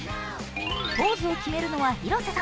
ポーズを決めるのは広瀬さん。